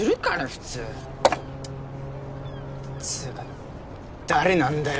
普通つうか誰なんだよ